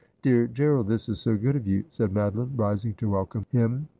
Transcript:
' Dear Gerald, this is so good of you !' said Madoline, rising to welcome him.